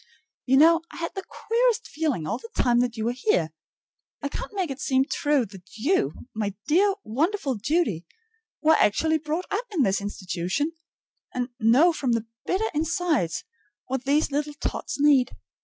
You know, I had the queerest feeling all the time that you were here. I can't make it seem true that you, my dear, wonderful Judy, were actually brought up in this institution, and know from the bitter inside what these little tots need.